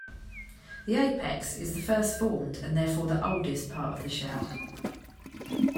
The apex is the first-formed, and therefore the oldest, part of the shell.